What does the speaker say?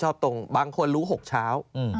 เหมือนว่าบางคนรู้๖เช้า